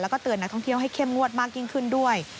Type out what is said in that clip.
แล้วก็เตือนนักท่องเที่ยวให้เข้มงวดมากยิ่งขึ้นด้วย